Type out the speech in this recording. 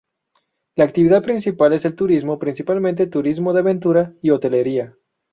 La actividad principal es el turismo, principalmente turismo de aventura y hotelería.